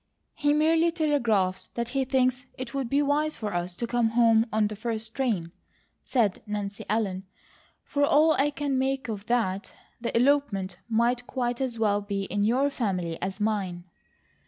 "He merely telegraphs that he thinks it would be wise for us to come home on the first train," said Nancy Ellen. "For all I can make of that, the elopement might quite as well be in your family as mine."